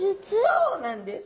そうなんです。